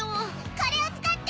これを使って！